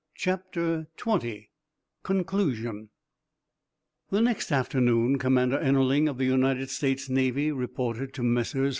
CHAPTER XX CONCLUSION The next afternoon Commander Ennerling of the United States Navy reported to Messrs.